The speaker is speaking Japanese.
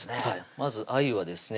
まずあゆはですね